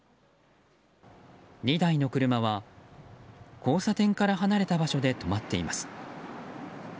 ２台の車は交差点から離れた場所で止まっています。